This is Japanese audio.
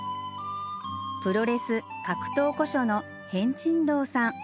プロレス格闘古書の変珍堂さん